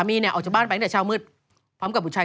ต้องไปพบจิตแพทย์แต่ยากมาก